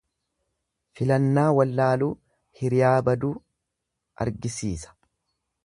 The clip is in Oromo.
Filannaa wallaaluu, hiriyaa baduu argisiisa.